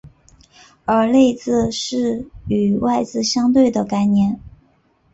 而内字是与外字相对的概念。